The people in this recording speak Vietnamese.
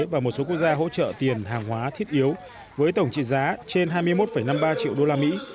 và một số quốc gia hỗ trợ tiền hàng hóa thiết yếu với tổng trị giá trên hai mươi một năm mươi ba triệu đô la mỹ